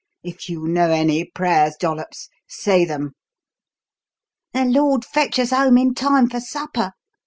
If you know any prayers, Dollops, say them." "The Lord fetch us home in time for supper!"